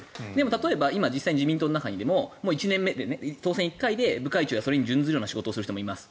例えば、実際に自民党の中でも当選１回で部会長やそれに準ずる仕事をしている人もいます。